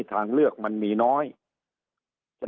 สุดท้ายก็ต้านไม่อยู่